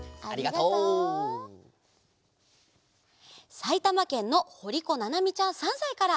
さいたまけんのほりこななみちゃん３さいから。